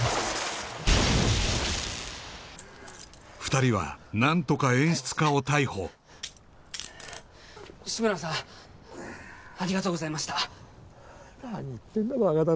２人はなんとか演出家を逮捕志村さんありがとうございました何言ってんだ